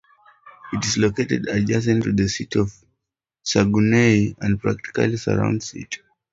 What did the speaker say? It is located adjacent to the city of Saguenay and practically surrounds it.